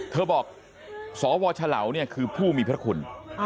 เธอบอกสวเฉลาวเนี่ยคือผู้มีพระคุณ